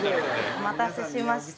お待たせしました。